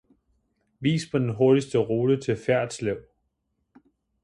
Vis mig den hurtigste rute til Fjerritslev